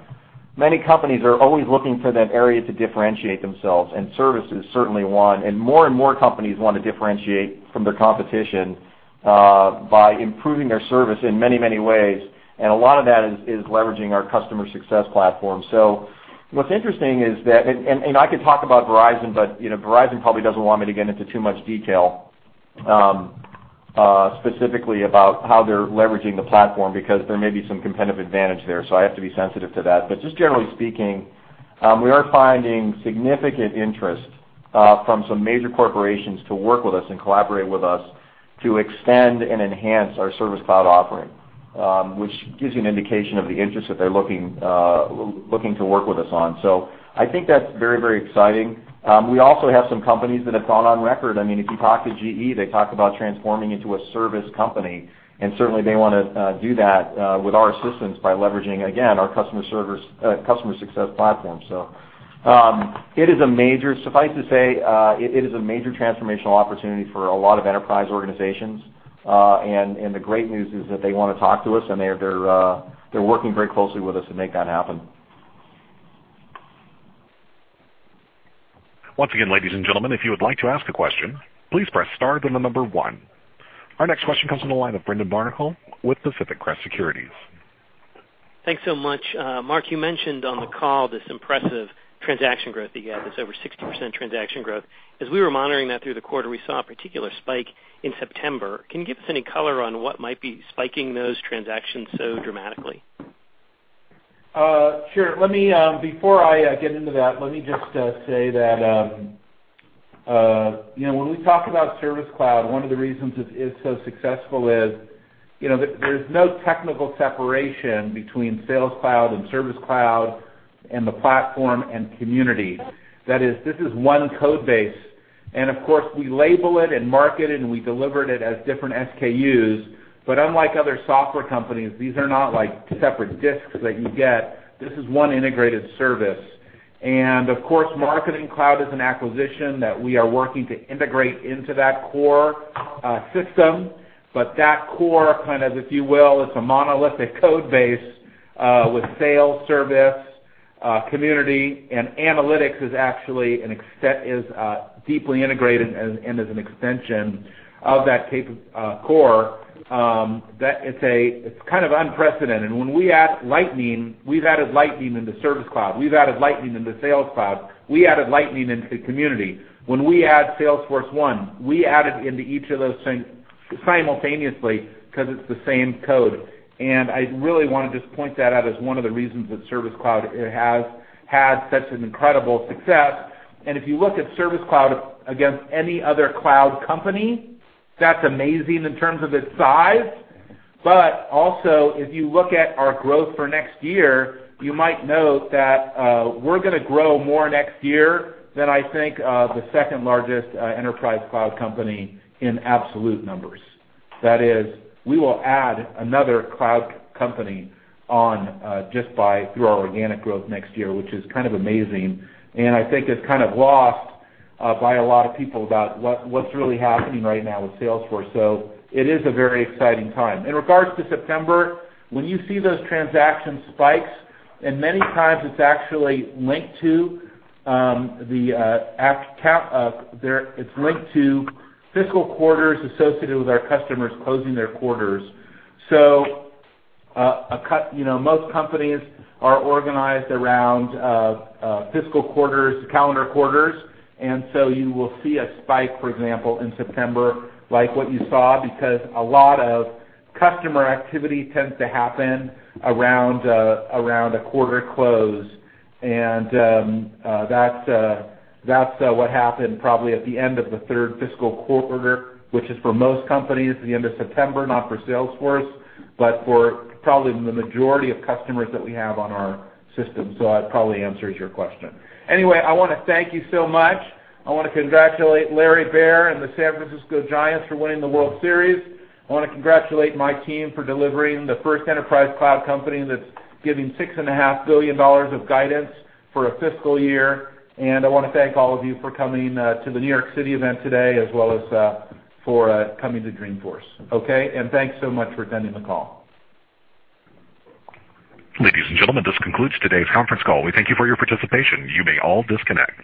many companies are always looking for that area to differentiate themselves, and services certainly want, and more and more companies want to differentiate from their competition by improving their service in many ways. A lot of that is leveraging our customer success platform. What's interesting is that I could talk about Verizon, but Verizon probably doesn't want me to get into too much detail, specifically about how they're leveraging the platform because there may be some competitive advantage there, so I have to be sensitive to that. Just generally speaking, we are finding significant interest from some major corporations to work with us and collaborate with us to extend and enhance our Service Cloud offering, which gives you an indication of the interest that they're looking to work with us on. I think that's very exciting. We also have some companies that have gone on record. If you talk to GE, they talk about transforming into a service company, and certainly they want to do that with our assistance by leveraging, again, our customer success platform. Suffice to say, it is a major transformational opportunity for a lot of enterprise organizations. The great news is that they want to talk to us, and they're working very closely with us to make that happen. Once again, ladies and gentlemen, if you would like to ask a question, please press star then the number 1. Our next question comes from the line of Brendan Barnicle with Pacific Crest Securities. Thanks so much. Mark, you mentioned on the call this impressive transaction growth that you had, this over 60% transaction growth. As we were monitoring that through the quarter, we saw a particular spike in September. Can you give us any color on what might be spiking those transactions so dramatically? Sure. Before I get into that, let me just say that when we talk about Service Cloud, one of the reasons it is so successful is there's no technical separation between Sales Cloud and Service Cloud and the platform and Community Cloud. That is, this is one code base. Of course, we label it and market it, and we delivered it as different SKUs. Unlike other software companies, these are not separate disks that you get. This is one integrated service. Of course, Marketing Cloud is an acquisition that we are working to integrate into that core system. That core, if you will, is a monolithic code base with Sales Cloud, Service Cloud, Community Cloud, and Analytics Cloud is actually deeply integrated and is an extension of that core. It's kind of unprecedented. When we add Lightning, we've added Lightning into Service Cloud, we've added Lightning into Sales Cloud, we added Lightning into Community Cloud. When we add Salesforce1, we add it into each of those simultaneously because it's the same code. I really want to just point that out as one of the reasons that Service Cloud has had such an incredible success. If you look at Service Cloud against any other cloud company, that's amazing in terms of its size. Also if you look at our growth for next year, you might note that we're going to grow more next year than I think the second-largest enterprise cloud company in absolute numbers. That is, we will add another cloud company on just through our organic growth next year, which is kind of amazing. I think it's kind of lost by a lot of people about what's really happening right now with Salesforce. It is a very exciting time. In regards to September, when you see those transaction spikes, and many times it's actually linked to fiscal quarters associated with our customers closing their quarters. Most companies are organized around fiscal quarters, calendar quarters, and so you will see a spike, for example, in September, like what you saw, because a lot of customer activity tends to happen around a quarter close. That's what happened probably at the end of the third fiscal quarter, which is for most companies, the end of September, not for Salesforce, but for probably the majority of customers that we have on our system. That probably answers your question. Anyway, I want to thank you so much. I want to congratulate Larry Baer and the San Francisco Giants for winning the World Series. I want to congratulate my team for delivering the first enterprise cloud company that's giving $6.5 billion of guidance for a fiscal year. I want to thank all of you for coming to the New York City event today, as well as for coming to Dreamforce. Okay. Thanks so much for attending the call. Ladies and gentlemen, this concludes today's conference call. We thank you for your participation. You may all disconnect.